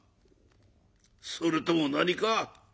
それとも何か？